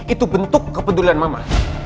itu bentuk kepedulian mama